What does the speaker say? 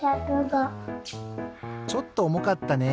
ちょっとおもかったね。